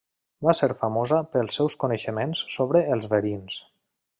Va ser famosa pels seus coneixements sobre els verins.